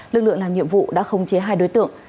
lực lượng làm nhiệm vụ đã khống chế hai đối tượng